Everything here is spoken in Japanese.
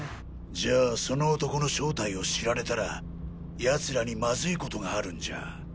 じゃあその男の正体を知られたら奴らにマズい事があるんじゃ。